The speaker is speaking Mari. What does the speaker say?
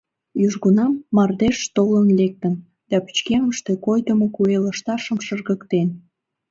Южгунам мардеж толын лектын да пычкемыште койдымо куэ лышташым шыргыктен.